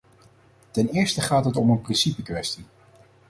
Ten eerste gaat het om een principekwestie.